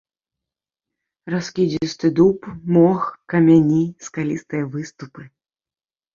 Раскідзісты дуб, мох, камяні, скалістыя выступы.